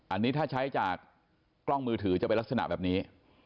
อันนี้ถ้าใช้จากกล้องมือถือจะเป็นลักษณะแบบนี้